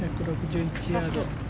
１６１ヤード。